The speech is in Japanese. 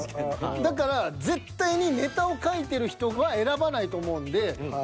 だから絶対にネタを書いてる人は選ばないと思うんで。には来るだろうと。